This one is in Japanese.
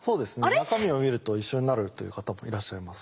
中身を見ると一緒になるという方もいらっしゃいます。